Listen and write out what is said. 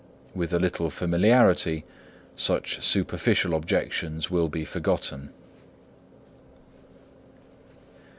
With a little familiarity such superficial objections will be forgotten.